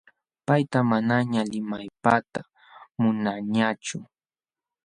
Payta manañaq limapayta munaañachu.